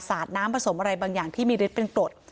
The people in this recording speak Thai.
สาดน้ำผสมอะไรบางอย่างที่มีฤทธิเป็นกรด